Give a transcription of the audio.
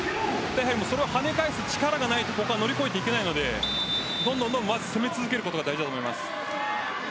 それを跳ね返す力がないとここは乗り越えていけないのでどんどん攻め続けることが大事だと思います。